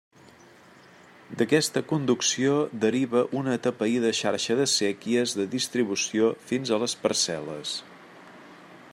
D'aquesta conducció deriva una atapeïda xarxa de séquies de distribució fins a les parcel·les.